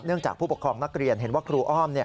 จากผู้ปกครองนักเรียนเห็นว่าครูอ้อม